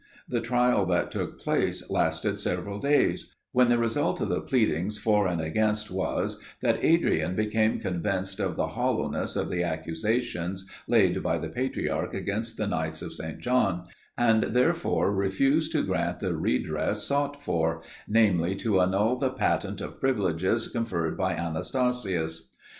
The trial that took place lasted several days; when the result of the pleadings for and against was, that Adrian became convinced of the hollowness of the accusations, laid by the patriarch against the knights of St. John, and, therefore, refused to grant the redress sought for, namely, to annul the patent of privileges conferred by Anastasius.